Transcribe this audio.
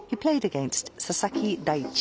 佐々木大地